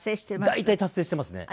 大体達成してますね。